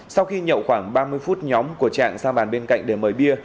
sau khi nhậu khoảng ba mươi phút nhóm của trạng sang bàn bên cạnh để mời bia